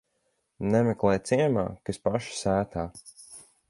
Nemeklē ciemā, kas paša sētā.